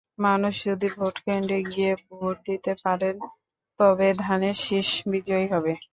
মানুষ যদি ভোটকেন্দ্রে গিয়ে ভোট দিতে পারেন, তবে ধানের শীষ বিজয়ী হবে।